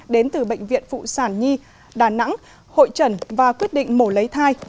đến từ bệnh viện phụ sản nhi đà nẵng hội trần và quyết định mổ lấy thai